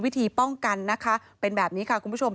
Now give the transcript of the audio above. วิธีป้องกันนะคะเป็นแบบนี้ค่ะคุณผู้ชม